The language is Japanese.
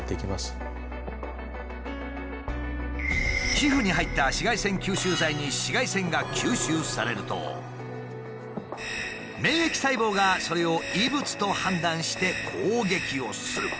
皮膚に入った紫外線吸収剤に紫外線が吸収されると免疫細胞がそれを異物と判断して攻撃をする。